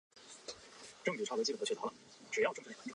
苏丹阿拉伯语是苏丹使用的阿拉伯语变体。